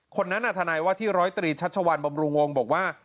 คนนั้นทนายว่าที่ร้อยตรีชัชวัลบำรุงวงบอกว่า